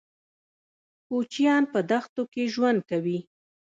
کوچيان په دښتو کې ژوند کوي.